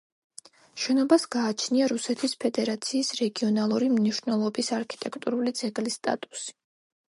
შენობას გააჩნია რუსეთის ფედერაციის რეგიონალური მნიშვნელობის არქიტექტურული ძეგლის სტატუსი.